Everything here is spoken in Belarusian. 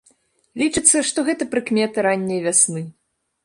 Лічыцца, што гэта прыкмета ранняй вясны.